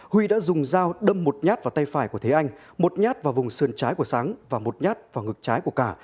huy đã dùng dao đâm một nhát vào tay phải của thế anh một nhát vào vùng sườn trái của sáng và một nhát vào ngực trái của cả